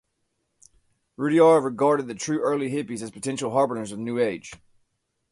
Rudhyar regarded the 'true early hippies' as potential harbingers of a New Age.